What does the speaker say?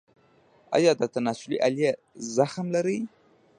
ایا د تناسلي آلې زخم لرئ؟